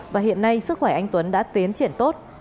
và hiện nay sức khỏe anh tuấn đã tiến triển tốt